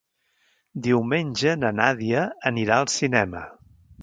Diumenge na Nàdia anirà al cinema.